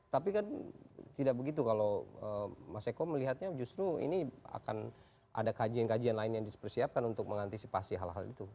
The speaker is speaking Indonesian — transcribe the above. tapi kan tidak begitu kalau mas eko melihatnya justru ini akan ada kajian kajian lain yang dipersiapkan untuk mengantisipasi hal hal itu